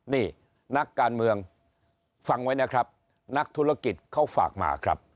นี่นักการเมืองฟังไว้นะครับนักธุรกิจเขาฝากมาครับ